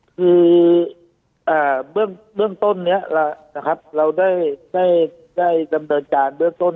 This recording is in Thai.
คืออ่าเบื้องเบื้องต้นนี้นะครับเราได้ได้ได้จำเนินจานเบื้องต้น